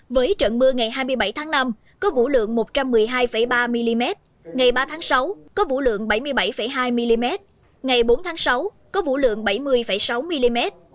với trận mưa ngày hai mươi bảy tháng năm có vũ lượng một trăm một mươi hai ba mm ngày ba tháng sáu có vũ lượng bảy mươi bảy hai mm ngày bốn tháng sáu có vũ lượng bảy mươi sáu mm